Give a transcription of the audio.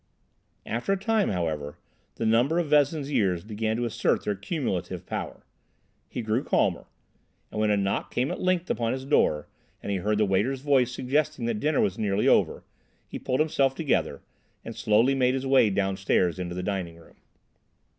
After a time, however, the number of Vezin's years began to assert their cumulative power; he grew calmer, and when a knock came at length upon his door and he heard the waiter's voice suggesting that dinner was nearly over, he pulled himself together and slowly made his way downstairs into the dining room.